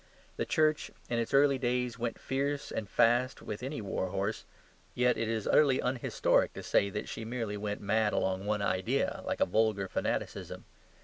The Church in its early days went fierce and fast with any warhorse; yet it is utterly unhistoric to say that she merely went mad along one idea, like a vulgar fanaticism.